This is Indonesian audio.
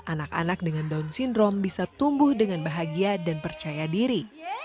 anak anak dengan down syndrome bisa tumbuh dengan bahagia dan percaya diri